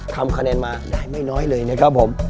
ทำคะแนนมาได้ไม่น้อยเลยนะครับผม